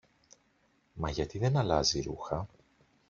Μα γιατί δεν αλλάζει ρούχα;